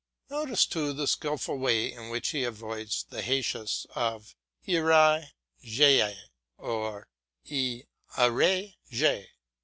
Notice too the skilful way in which he avoids the hiatus in irai je y or y irai je?